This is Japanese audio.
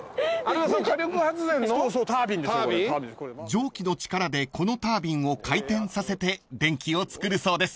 ［蒸気の力でこのタービンを回転させて電気をつくるそうです］